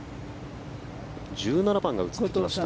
１７番が映ってきました。